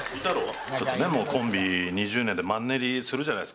ちょっとねもうコンビ２０年でマンネリするじゃないですか。